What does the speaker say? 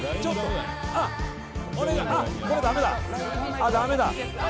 あ、だめだ。